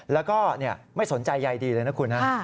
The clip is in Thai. แล้วก็ไม่สนใจใยดีเลยนะคุณฮะ